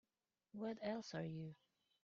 What else are you?